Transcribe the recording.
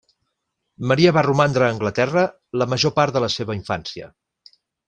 Maria va romandre a Anglaterra la major part de la seva infància.